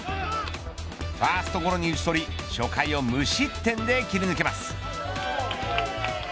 ファーストゴロに打ち取り初回を無失点で切り抜けます。